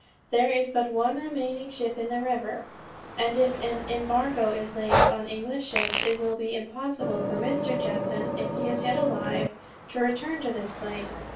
There is but one remaining ship in the river; and if an embargo is laid on English ships it will be impossible for Mr. Judson (if he is yet alive) to return to this place.